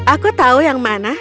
aku tahu yang mana